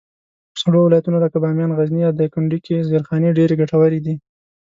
په سړو ولایتونو لکه بامیان، غزني، یا دایکنډي کي زېرخانې ډېرې ګټورې دي.